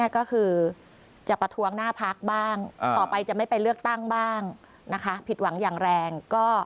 ก็คือจะประท้วงหน้าพักบ้างต่อไปจะไม่ไปเลือกตั้งบ้างนะคะผิดหวังอย่างแรง